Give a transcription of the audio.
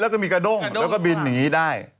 แล้วก็มีกระด้งแล้วก็บินอย่างนี้ได้